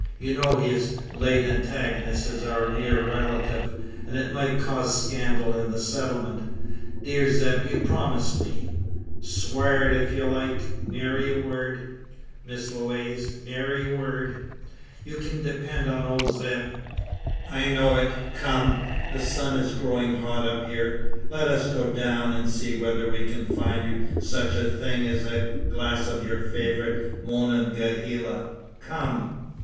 You know his late antagonist is our near relative; and it might cause scandal in the settlement. Dear Zeb, you promise me?" "Swa ar it ef ye like. Neery word, Miss Lewaze, neery word; ye kin depend on ole Zeb." "I know it. Come! The sun is growing hot up here. Let as go down, and see whether we can find you such a thing as a glass of your favourite Monongahela. Come!"